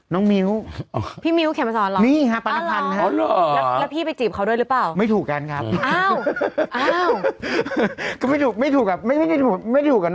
น้องมิ้วพี่มิ้วเขียนมาสอนหรอนี่ฮะปราณพันธ์ฮะแล้วพี่ไปจีบเขาด้วยหรือเปล่า